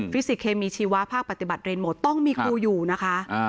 ฟิสิกส์เคมีชีวะภาคปฏิบัติเรนโหมดต้องมีครูอยู่นะคะอ่า